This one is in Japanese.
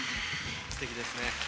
すてきですね。